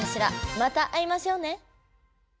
また会いましょうね。